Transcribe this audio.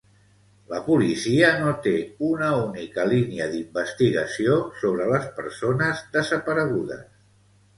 La policia no té una única línia d'investigació sobre les persones desaparegudes.